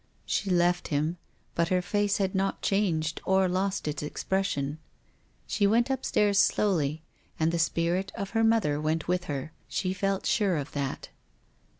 She left him. But her face had not changed or lost its expression. She went up stairs slowly. And the spirit of her mother went with her. She felt sure of that.